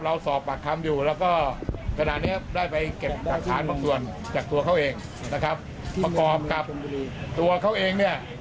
เราก็ได้แสดงอาการเอาหัวโผกพื้น